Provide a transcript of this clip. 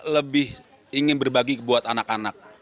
lebih ingin berbagi buat anak anak